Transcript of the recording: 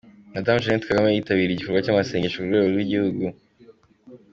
Madamu janete Kagame yitabiriye igikorwa cy’amasengesho ku rwego rw’igihugu